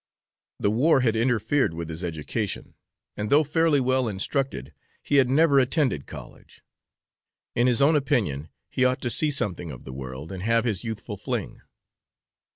The war had interfered with his education, and though fairly well instructed, he had never attended college. In his own opinion, he ought to see something of the world, and have his youthful fling.